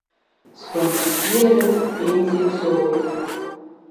Сгәамбзиараз пенсиак соуеит.